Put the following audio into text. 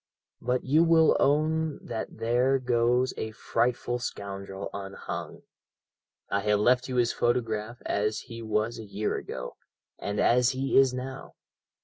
But you will own that there goes a frightful scoundrel unhung. I have left you his photograph as he was a year ago, and as he is now.